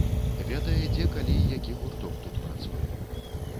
Ведае, дзе, калі, які гурток тут працуе.